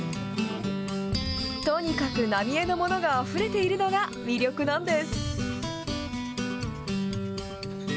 とにかく浪江のものがあふれているのが魅力なんです。